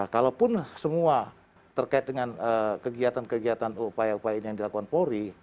kalau pun semua terkait dengan kegiatan kegiatan upaya upaya yang dilakukan polri